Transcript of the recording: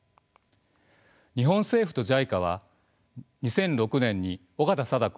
日本政府とＪＩＣＡは２００６年に緒方貞子